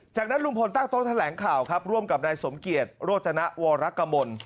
จากนั้นลุงพลตั้งต้นแถวแหลงข่าวครับร่วมกับนายสมเกียรติโรจณะวรรคมนต์